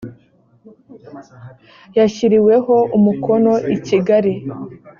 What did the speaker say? yashyiriweho umukono i kigali